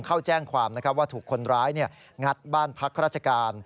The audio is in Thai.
เข้าแจ้งความว่าถูกคนร้ายงัดบ้านพักราชการ